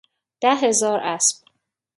ده هزار اسب